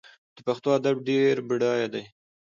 د پښتو ادب ډېر بډایه دی.